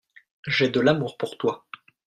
J'ai de l'amour pour toi.